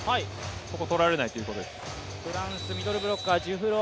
ここを取られないということです。